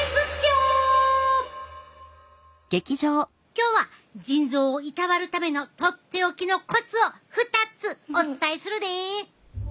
今日は腎臓をいたわるためのとっておきのコツを２つお伝えするで！